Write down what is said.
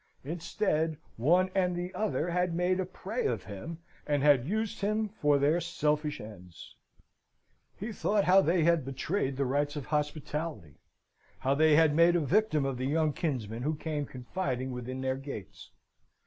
Instead, one and the other had made a prey of him, and had used him for their selfish ends. He thought how they had betrayed the rights of hospitality: how they had made a victim of the young kinsman who came confiding within their gates.